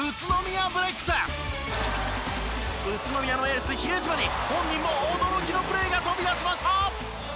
宇都宮のエース比江島に本人も驚きのプレーが飛び出しました！